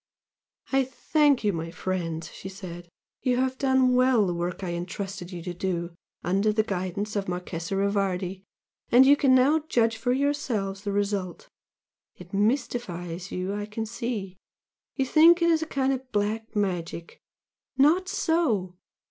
"I thank you, my friends!" she said "You have done well the work I entrusted you to do under the guidance of the Marchese Rivardi, and you can now judge for yourselves the result It mystifies you I can see! You think it is a kind of 'black magic'? Not so!